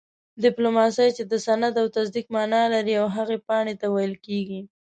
ډيپلوماسۍ چې د سند او تصديق مانا لري او هغې پاڼي ته ويل کيږي